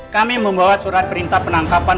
kami membawa surat perintah penangkapan